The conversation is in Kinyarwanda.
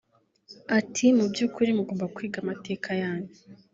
Ati “Mu by’ukuri mugomba kwiga amateka yanyu